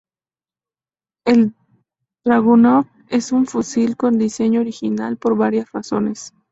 El Dragunov es un fusil con un diseño original por varias razones.